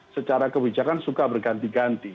secara kebijakan suka berganti ganti